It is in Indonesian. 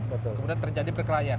kemudian terjadi perkelahian